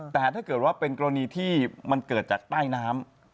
แต่ถ้าเกิดว่าเป็นกรณีที่มันเกิดจากใต้น้ำ